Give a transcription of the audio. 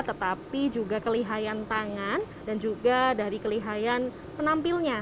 tetapi juga kelihayan tangan dan juga dari kelihayan penampilnya